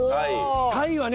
タイはね